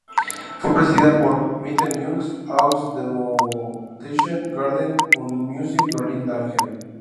Fue precedida por "Mitteilungen aus dem Botanischen Garten und Museum Berlin-Dahlem".